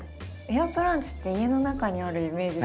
エアプランツって家の中にあるイメージ